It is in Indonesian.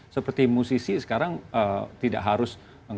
seperti musisi sekarang tidak harus ngetop di indonesia